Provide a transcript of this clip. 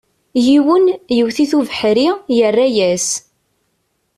Yiwen, yewwet-it ubeḥri, yerra-yas.